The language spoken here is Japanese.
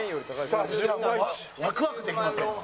ワクワクできますやん。